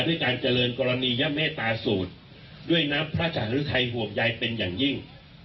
ด้วยการเจริญกรณียเมตตาสูตรด้วยน้ำพระจันทร์หรือไทยห่วงใยเป็นอย่างยิ่ง